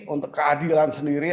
untuk keadilan sendiri